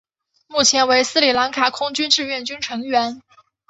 目前为斯里兰卡空军志愿军成员。